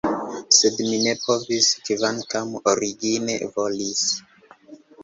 Sed mi ne povis, kvankam origine volis.